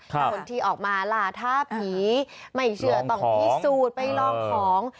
คนที่ออกมาล่ะถ้าผีไม่เชื่อต้องพิสูจน์ไปลองของ